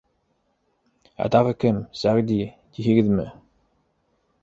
— Ә тағы кем, Сәғди, тиһегеҙме?